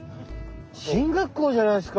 進学校じゃないすか。